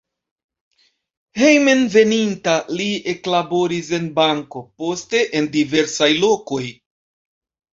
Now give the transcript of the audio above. Hejmenveninta li eklaboris en banko, poste en diversaj lokoj.